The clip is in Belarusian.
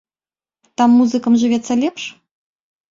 Там музыкам жывецца лепш?